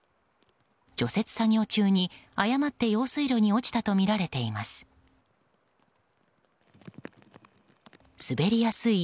除雪作業中に、誤って用水路に落ちたとみられています。